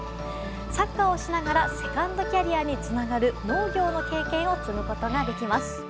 サッカーをしながらセカンドキャリアにつながる農業の経験を積むことができます。